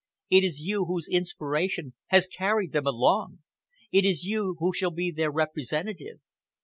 It is you whose inspiration has carried them along: It is you who shall be their representative.